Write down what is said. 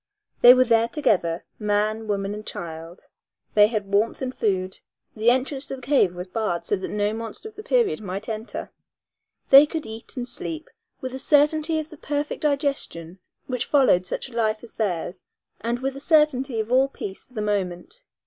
They were there together, man, woman and child. They had warmth and food. The entrance to the cave was barred so that no monster of the period might enter. They could eat and sleep with a certainty of the perfect digestion which followed such a life as theirs and with a certainty of all peace for the moment.